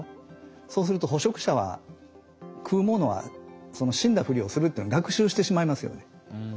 そうすると捕食者は食うものはその死んだふりをするっていうのを学習してしまいますよね。